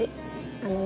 あのね。